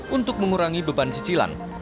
untuk mengurangi beban cicilan